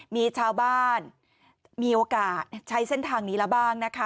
มีชาวบ้านมีโอกาสใช้เส้นทางนี้แล้วบ้างนะคะ